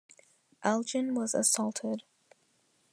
Elgin was assaulted.